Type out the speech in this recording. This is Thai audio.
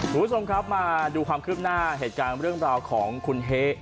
สวัสดีครับมาดูความคลิบหน้าเหตุการณ์เรื่องราวของคุณเค้ก